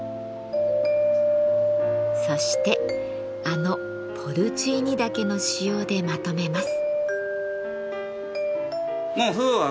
そしてあのポルチーニ茸の塩でまとめます。